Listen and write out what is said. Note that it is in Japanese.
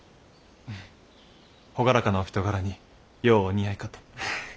朗らかなお人柄にようお似合いかと。へへ。